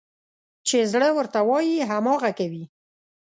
چې زړه ورته وايي، هماغه کوي.